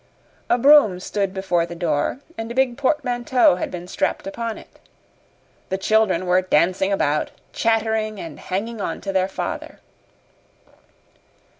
A brougham stood before the door, and a big portmanteau had been strapped upon it. The children were dancing about, chattering and hanging on to their father.